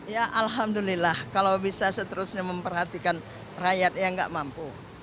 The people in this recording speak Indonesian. ya alhamdulillah kalau bisa seterusnya memperhatikan rakyat yang nggak mampu